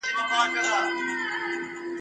د خپل زاړه معلم ابلیس مخي ته ..